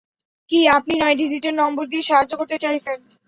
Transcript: কি, আপনি নয় ডিজিটের নম্বর দিয়ে সাহায্য করতে চাইছেন?